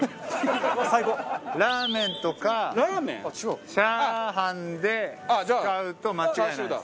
ラーメンとかチャーハンで使うと間違いないです。